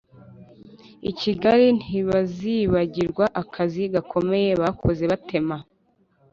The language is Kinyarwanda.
i Kigali ntibazibagirwa akazi gakomeye bakoze batema